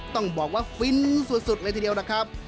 ต้องบอกว่าฟินสุดเลยทีเดียวนะครับ